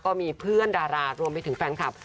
ก็มีเพื่อนดารารวมไปถึงแฟนคลับ